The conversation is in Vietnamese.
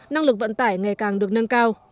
năng lực vận tải ngày càng được nâng cao